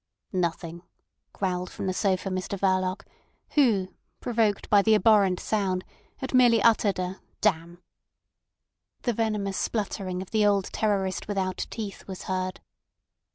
"Nothing," growled from the sofa Mr Verloc, who, provoked by the abhorrent sound, had merely muttered a "Damn." The venomous spluttering of the old terrorist without teeth was heard.